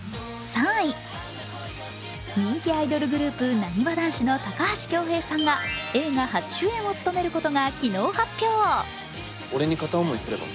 人気アイドルグループ、なにわ男子の高橋恭平さんが映画初主演を務めることが昨日発表。